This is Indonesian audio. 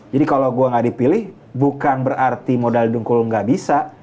jadi kalo gue ga dipilih bukan berarti modal dengkul ga bisa